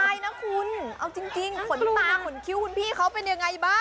ใช่นะคุณเอาจริงขนตาขนคิ้วคุณพี่เขาเป็นยังไงบ้าง